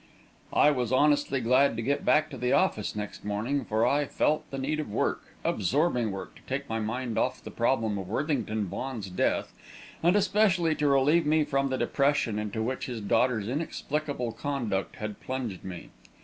I was honestly glad to get back to the office, next morning, for I felt the need of work absorbing work to take my mind off the problem of Worthington Vaughan's death, and especially to relieve me from the depression into which his daughter's inexplicable conduct had plunged me.